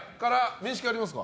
面識ありますか？